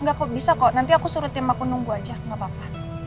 gak kok bisa kok nanti aku suruh tim aku nunggu aja gak apa apa